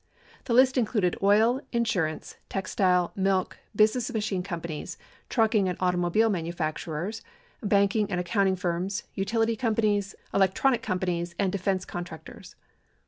The list included oil, insurance, textile, milk, business machine companies, trucking and automobile manufacturers, banking and accounting firms, utility companies, electronic companies, and defense contractors.